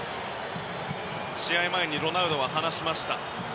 試合前にロナウドは話しました。